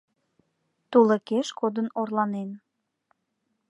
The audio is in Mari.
Тулыкеш кодын орланен.